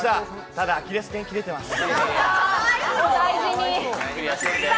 ただ、アキレス腱切れてます。